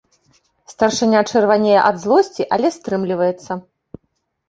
Старшыня чырванее ад злосці, але стрымліваецца.